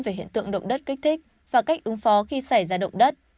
về hiện tượng động đất kích thích và cách ứng phó khi xảy ra động đất